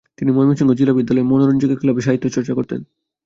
তিনি ময়মনসিংহ জিলা বিদ্যালয়ে 'মনোরঞ্জিকা ক্লাব'-এ সাহিত্য চর্চা করতেন।